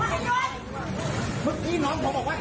เห็นไหมคะลูกศรผู้ก่อเหตุคือเสื้อสีขาวอ่ะค่ะ